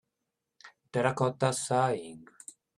Terracotta Sighing.